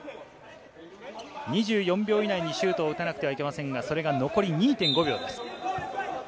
２４秒以内にシュートを打たなくてはいけませんが、それが残り２．５秒です。